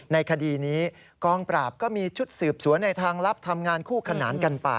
ในคดีนี้กองปราบก็มีชุดสืบสวนในทางลับทำงานคู่ขนานกันไป